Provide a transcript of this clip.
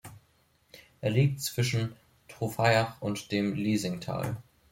Er liegt zwischen Trofaiach und dem Liesingtal.